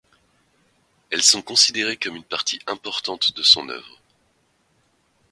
Elles sont considérées comme une partie importante de son œuvre.